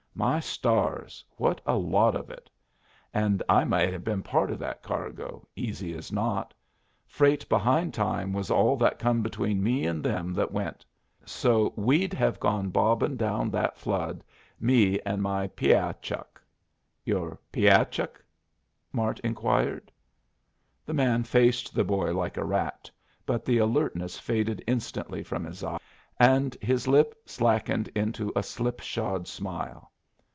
My stars, what a lot of it! And I might hev been part of that cargo, easy as not. Freight behind time was all that come between me and them that went. So, we'd hev gone bobbin' down that flood, me and my piah chuck." "Your piah chuck?" Mart inquired. The man faced the boy like a rat, but the alertness faded instantly from his eye, and his lip slackened into a slipshod smile.